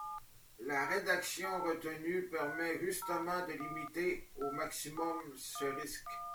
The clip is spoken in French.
La rédaction retenue permet justement de limiter au maximum ce risque.